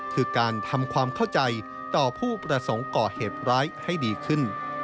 คือการทำความเข้าใจต่อผู้ประสงค์ก่อเหตุร้ายให้ดีขึ้น